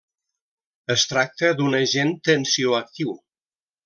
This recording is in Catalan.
Es tracta d'un agent tensioactiu.